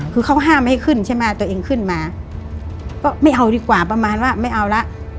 คือเขาห้ามให้ขึ้นใช่ไหมตัวเองขึ้นมาก็ไม่เอาดีกว่าประมาณว่าไม่เอาละ